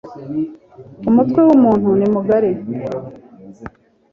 umutwe mumuntu ni mugari